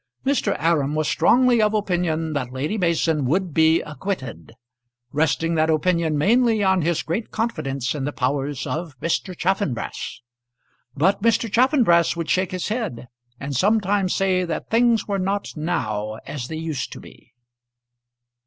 Mr. Aram was strongly of opinion that Lady Mason would be acquitted, resting that opinion mainly on his great confidence in the powers of Mr. Chaffanbrass. But Mr. Chaffanbrass would shake his head, and sometimes say that things were not now as they used to be.